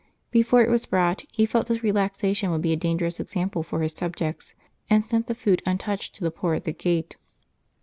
Before it was brought, he felt this relaxation would be a dangerous example for his subjects, and sent the food untouched to the poor at the gate.